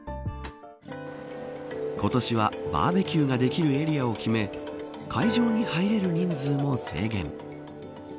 今年はバーベキューができるエリアを決め会場に入れる人数も制限。